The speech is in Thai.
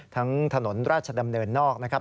ถนนราชดำเนินนอกนะครับ